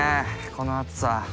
この暑さ。